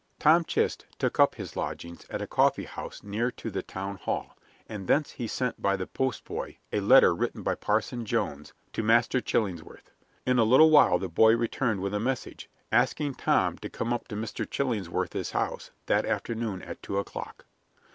Tom Chist took up his lodgings at a coffee house near to the town hall, and thence he sent by the postboy a letter written by Parson Jones to Master Chillingsworth. In a little while the boy returned with a message, asking Tom to come up to Mr. Chillingsworth's house that afternoon at two o'clock.